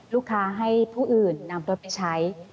ลูกค้าให้ผู้อื่นนำรถไปใช้